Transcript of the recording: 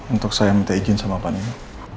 untuk saya minta izin sama pak nina